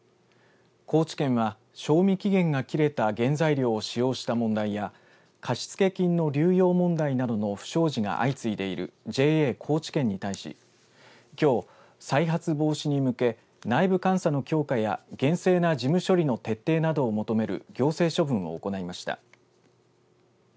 高知県は、賞味期限が切れた原材料を使用した問題や貸付金の流用問題などの不祥事が相次いでいるＪＡ高知県に対し、きょう再発防止に向け内部監査の強化や厳正な事務処理の徹底などを求める行政処分を行いました。